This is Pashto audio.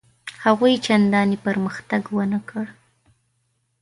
هغوی چنداني پرمختګ ونه کړ.